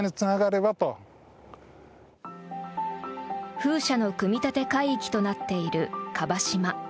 風車の組み立て海域となっている椛島。